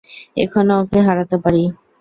এখনও ওকে হারাতে পারি।